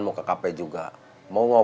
mungkin mereka di sana